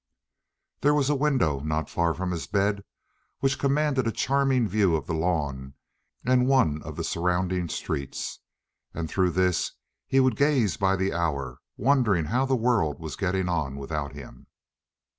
There was a window not far from his bed, which commanded a charming view of the lawn and one of the surrounding streets, and through this he would gaze by the hour, wondering how the world was getting on without him.